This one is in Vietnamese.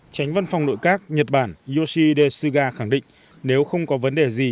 chánh văn phòng nội các nhật bản yoshida suga khẳng định nếu không có vấn đề gì